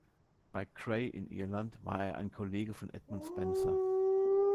Bei Grey in Irland war er ein Kollege von Edmund Spenser.